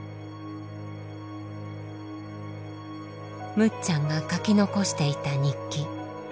むっちゃんが書き残していた日記。